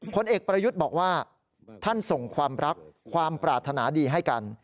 ผลเอกประยุทธ์บอกว่าท่านส่งความรักความปรารถนาดีให้กัน